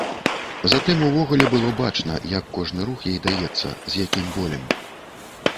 Затым увогуле было бачна, як кожны рух ёй даецца з якім болем.